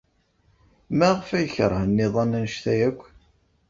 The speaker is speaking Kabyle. Maɣef ay keṛhen iḍan anect-a akk?